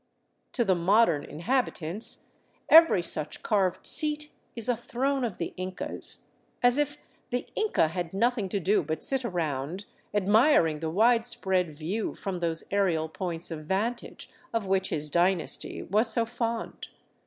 To the modern inhabitants every such carved seat is a " throne of the Incas "— as if the Inca had nothing to do but sit around admiring the widespread view from those aerial points of vantage of which his dynasty was so fond.